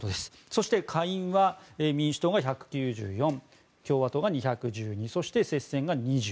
そして下院は民主党が１９４共和党が２１２そして接戦が２９と。